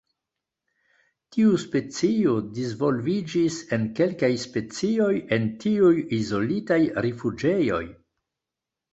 Tiu specio disvolviĝis en kelkaj specioj en tiuj izolitaj rifuĝejoj.